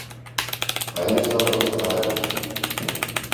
Eines davon ist erhalten geblieben.